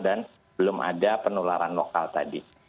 dan belum ada penularan lokal tadi